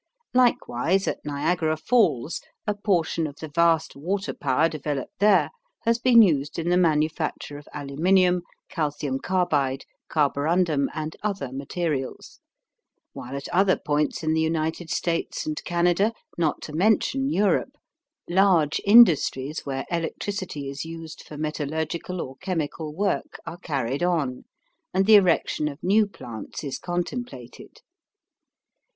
Likewise, at Niagara Falls a portion of the vast water power developed there has been used in the manufacture of aluminum, calcium carbide, carborundum, and other materials, while at other points in the United States and Canada, not to mention Europe, large industries where electricity is used for metallurgical or chemical work are carried on and the erection of new plants is contemplated.